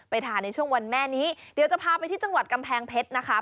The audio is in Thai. ทานในช่วงวันแม่นี้เดี๋ยวจะพาไปที่จังหวัดกำแพงเพชรนะคะ